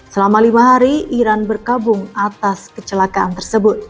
selama lima hari iran berkabung atas kecelakaan tersebut